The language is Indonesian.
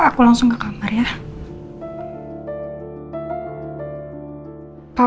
aku langsung ke kamar ya